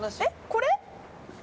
これ？